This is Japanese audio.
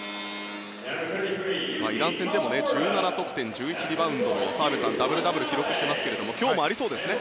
イラン戦でも１７得点１１リバウンドの澤部さん、ダブル・ダブルを記録していますが今日もありそうですね。